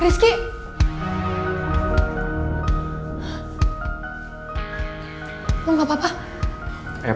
waktunya dia balik nanti son